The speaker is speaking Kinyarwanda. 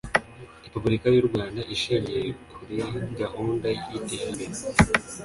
repuburika y’u rwanda ishingiye kuri gahunda y’iterambere